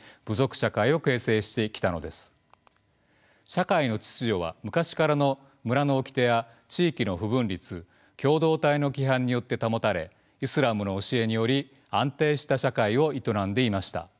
社会の秩序は昔からの村の掟や地域の不文律共同体の規範によって保たれイスラムの教えにより安定した社会を営んでいました。